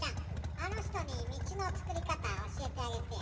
あの人に道のつくり方教えてあげてよ。